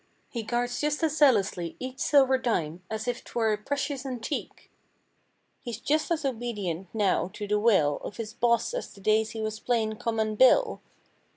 He guards just as zealously each silver dime As if 'twere a precious antique. He's just as obedient now to the will Of his boss as the days he was plain, common "Bill."